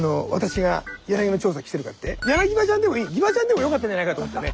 柳葉ちゃんでもいいギバちゃんでもよかったんじゃないかと思ってね。